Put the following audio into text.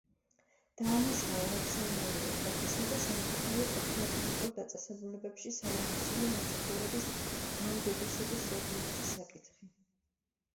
დაამუშავა რაციონალური კვებისა და სამკურნალო პროფილაქტიკურ დაწესებულებებში სამედიცინო მომსახურების გაუმჯობესების ზოგიერთი საკითხი.